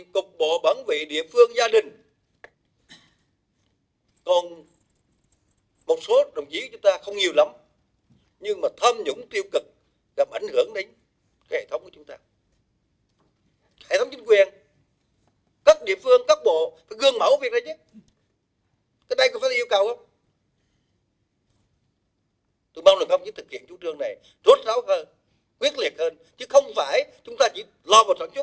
các bộ thì cục bộ bản vị địa phương gia đình